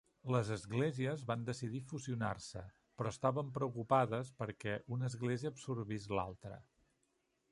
Les esglésies van decidir fusionar-se, però estaven preocupades perquè una església absorbís l'altra.